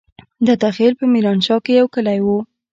دته خېل په ميرانشاه کې يو کلی وو.